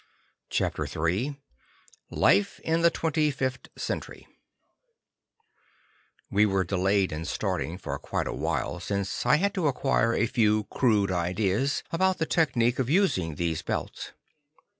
CHAPTER III Life in the 25th Century We were delayed in starting for quite a while since I had to acquire a few crude ideas about the technique of using these belts.